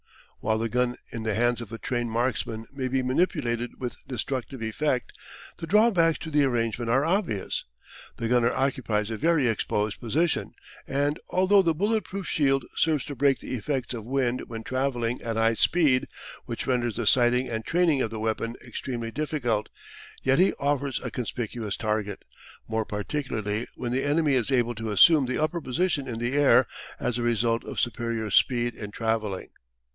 While the gun in the hands of a trained marksman may be manipulated with destructive effect, the drawbacks to the arrangement are obvious. The gunner occupies a very exposed position, and, although the bullet proof shield serves to break the effects of wind when travelling at high speed which renders the sighting and training of the weapon extremely difficult, yet he offers a conspicuous target, more particularly when the enemy is able to assume the upper position in the air as a result of superior speed in travelling.